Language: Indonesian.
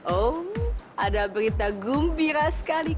oh ada berita gembira sekali